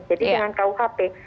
jadi dengan kuhp